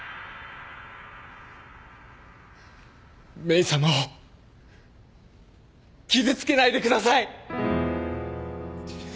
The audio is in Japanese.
メイさまを傷つけないでください。